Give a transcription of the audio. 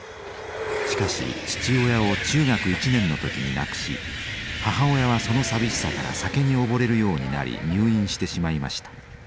しかし父親を中学１年の時に亡くし母親はその寂しさから酒に溺れるようになり入院してしまいました。